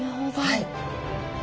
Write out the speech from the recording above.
はい。